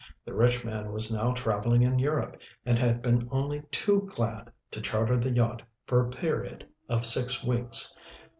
The rich man was now traveling in Europe, and had been only too glad to charter the yacht for a period of six weeks.